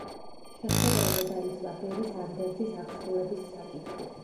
შეხვედრაზე დაისვა ბერის ანდერძის აღსრულების საკითხი.